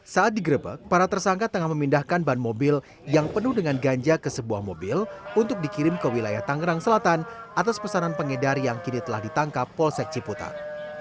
saat digrebek para tersangka tengah memindahkan ban mobil yang penuh dengan ganja ke sebuah mobil untuk dikirim ke wilayah tangerang selatan atas pesanan pengedar yang kini telah ditangkap polsek ciputat